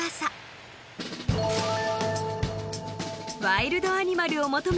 ［ワイルドアニマルを求め